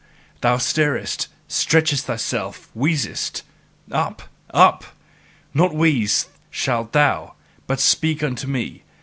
Thou stirrest, stretchest thyself, wheezest? Up! Up! Not wheeze, shalt thou, but speak unto me!